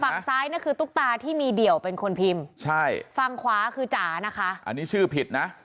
ฝั่งซ้ายเนี่ยคือตุ๊กตาที่มีเดี่ยวเป็นคนพิมพ์ใช่ฝั่งขวาคือจ๋านะคะอันนี้ชื่อผิดนะ